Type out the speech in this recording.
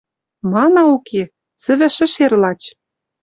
Мана уке? Цӹвӹ шӹшер лач.